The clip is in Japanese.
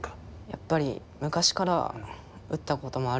やっぱり昔から打ったこともあるので。